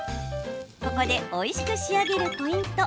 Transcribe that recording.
ここでおいしく仕上げるポイント。